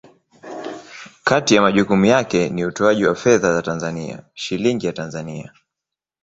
Kati ya majukumu yake ni utoaji wa fedha za Tanzania, Shilingi ya Tanzania.